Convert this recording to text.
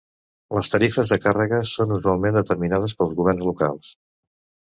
Les tarifes de càrrega són usualment determinades pels governs locals.